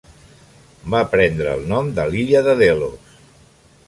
Va prendre el nom de l'illa de Delos.